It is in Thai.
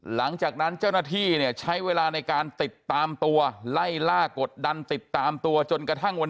หลังจากนั้นเจ้าหน้าที่เนี่ยใช้เวลาในการติดตามตัวไล่ล่ากดดันติดตามตัวจนกระทั่งวัน